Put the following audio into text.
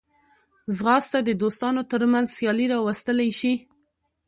ځغاسته د دوستانو ترمنځ سیالي راوستلی شي